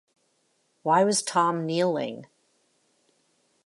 Why was Tom kneeling?